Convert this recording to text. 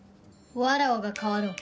わらわが代わろう。